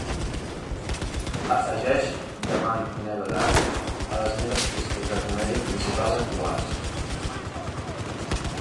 Afegeix The Man Who Never Lied a les meves pistes de comèdia principals actuals